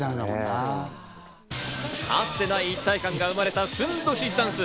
かつてない一体感が生まれた、ふんどしダンス。